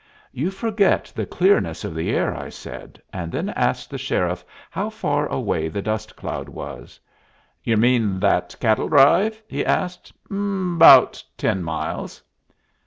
"You forget the clearness of the air," I said, and then asked the sheriff how far away the dust cloud was. "Yer mean that cattle drive?" he asked. "'Bout ten miles."